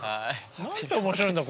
何て面白いんだ